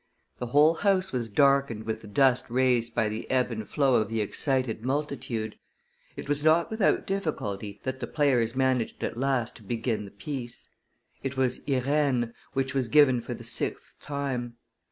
The whole house was darkened with the dust raised by the ebb and flow of the excited multitude. It was not without difficulty that the players managed at last to begin the piece. It was Irene, which was given for the sixth time.